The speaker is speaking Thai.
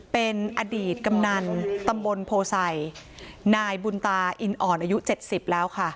เป็นอดีตกำนันตำบลโพไซนายบุญตาอินอ่อนอายุ๗๐แล้วค่ะ